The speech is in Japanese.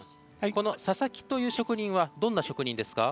この佐々木という職人は、どんな職人ですか？